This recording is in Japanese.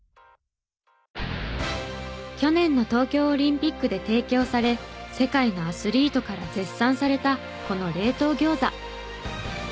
去年の東京オリンピックで提供され世界のアスリートから絶賛されたこの冷凍ギョーザ。